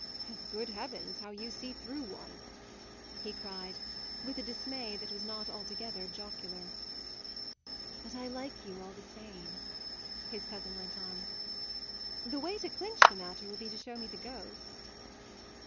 "Good heavens, how you see through one!" he cried with a dismay that was not altogether jocular. "But I like you all the same," his cousin went on. "The way to clinch the matter will be to show me the ghost."